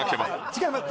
違います